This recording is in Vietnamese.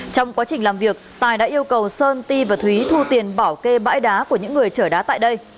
trong quá trình làm việc tài đã yêu cầu sơn ti và thúy thu tiền bảo kê bãi đá của những người chở đá tại đây